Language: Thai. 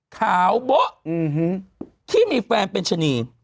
ขาวโบ๊ะที่มีแฟนเป็นชะนี